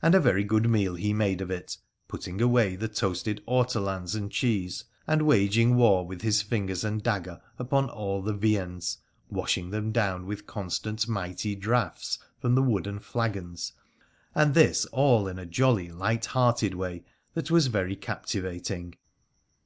And a very good meal he made of it, putting away the toasted ortolans and cheese, and waging war with his fingers and dagger upon all the viands, washing them down with constant mighty draughts from the wooden flagons, and thig all in a jolly, light hearted way that was very captivating.